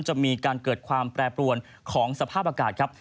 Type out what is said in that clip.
จะมีการเกิดความแปรปรวนของสภาพอากาศครับ